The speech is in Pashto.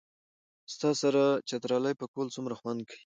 ستا سره چترالي پکول څومره خوند کئ